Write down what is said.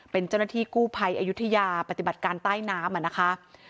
เป็นเจ้าหน้าที่กู้ภัยอายุทยาปฏิบัติการใต้น้ำนะคะ